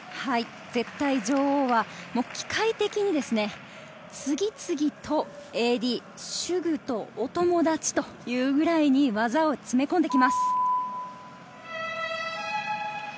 絶対女王は機械的に次々とＡＤ、手具とお友達というくらいに技を詰め込んできます。